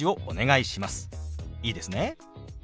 いいですね？